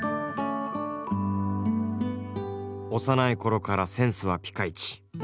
幼い頃からセンスはピカイチ。